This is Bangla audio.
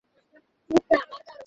আর এখানে চলে এসেছে ছুটি কাটাতে।